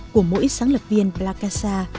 của mỗi sáng lập viên plakasa